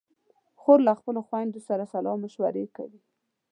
خور له خپلو خویندو سره سلا مشورې کوي.